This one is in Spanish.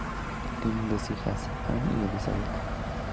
Tienen dos hijas, Ann y Elizabeth.